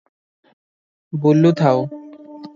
ବୁଲୁଥାଉ ।"